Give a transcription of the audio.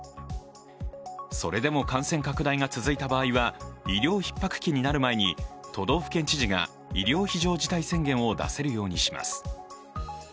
それでも感染拡大が続いた場合は医療ひっ迫期になる前に都道府県知事が医療非常事態宣言を出せるようにします。